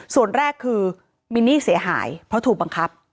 ส่วนแรกคือมินนี่เสียหายเพราะถูกบังคับ